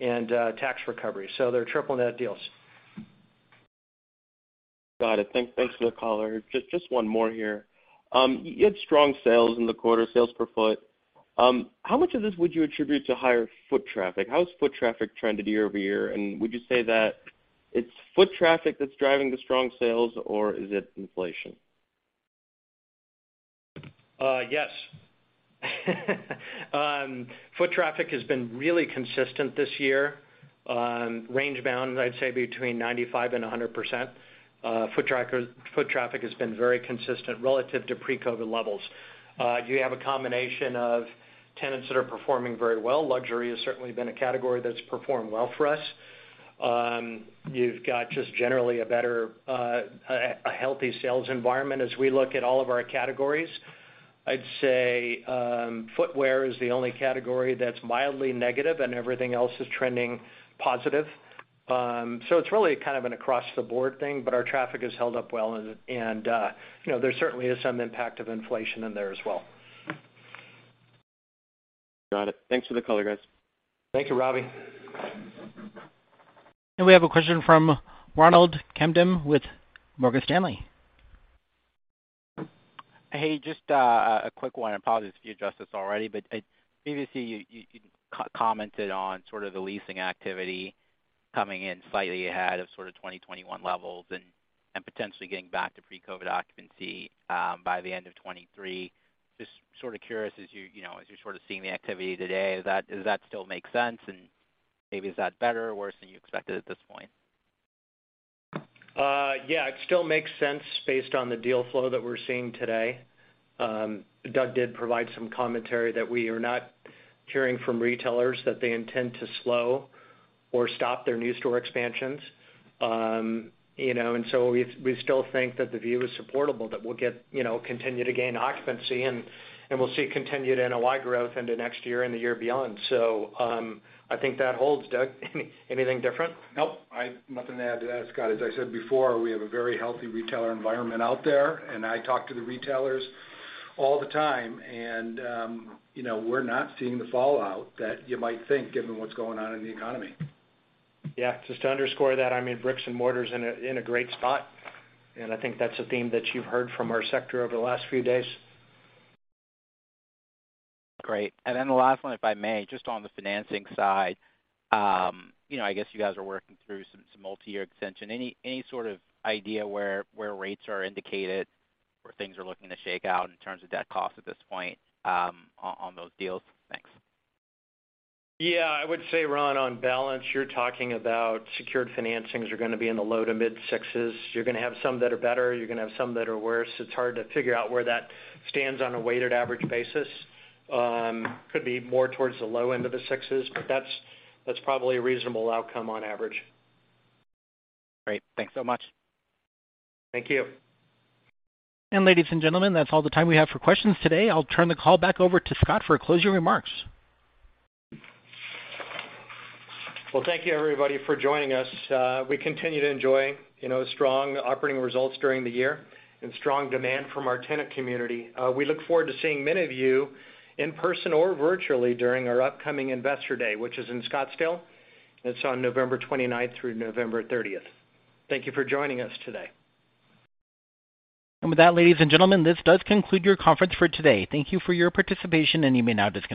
and tax recovery. They're triple net deals. Got it, thanks for the color. Just one more here. You had strong sales in the quarter, sales per foot. How much of this would you attribute to higher foot traffic? How is foot traffic trending year over year? Would you say that it's foot traffic that's driving the strong sales or is it inflation? Yes. Foot traffic has been really consistent this year. Range bound, I'd say between 95%-100%. Foot traffic has been very consistent relative to pre-COVID levels. You have a combination of tenants that are performing very well. Luxury has certainly been a category that's performed well for us. You've got just generally a better, a healthy sales environment as we look at all of our categories. I'd say, footwear is the only category that's mildly negative, and everything else is trending positive. It's really kind of an across the board thing, but our traffic has held up well. You know, there certainly is some impact of inflation in there as well. Got it, thanks for the color guys. Thank you Ravi. We have a question from Ronald Kamdem with Morgan Stanley. Hey, just a quick one and apologies if you addressed this already, but previously you commented on sort of the leasing activity coming in slightly ahead of sort of 2021 levels and potentially getting back to pre-COVID occupancy by the end of 2023. Just sort of curious, as you know, as you're sort of seeing the activity today, does that still make sense? Maybe is that better or worse than you expected at this point? Yeah, it still makes sense based on the deal flow that we're seeing today. Doug did provide some commentary that we are not hearing from retailers that they intend to slow or stop their new store expansions. You know, we still think that the view is supportable, that we'll continue to gain occupancy and we'll see continued NOI growth into next year and the year beyond. I think that holds. Doug, anything different? Nope. I have nothing to add to that Scott. As I said before, we have a very healthy retailer environment out there, and I talk to the retailers all the time and, you know, we're not seeing the fallout that you might think given what's going on in the economy. Yeah, just to underscore that, I mean, brick and mortar in a great spot, and I think that's a theme that you've heard from our sector over the last few days. Great. The last one if I may, just on the financing side. You know, I guess you guys are working through some multi-year extension. Any sort of idea where rates are indicated, where things are looking to shake out in terms of debt cost at this point, on those deals? Thanks. Yeah, I would say Ron, on balance, you're talking about secured financings are gonna be in the low to mid sixes. You're gonna have some that are better, you're gonna have some that are worse. It's hard to figure out where that stands on a weighted average basis. Could be more towards the low end of the sixes, but that's probably a reasonable outcome on average. Great, thanks so much. Thank you. Ladies and gentlemen, that's all the time we have for questions today. I'll turn the call back over to Scott for closing remarks. Well, thank you everybody, for joining us. We continue to enjoy, you know, strong operating results during the year and strong demand from our tenant community. We look forward to seeing many of you in person or virtually during our upcoming Investor Day, which is in Scottsdale. It's on November 29th through November 30th. Thank you for joining us today. With that ladies and gentlemen, this does conclude your conference for today. Thank you for your participation, and you may now disconnect.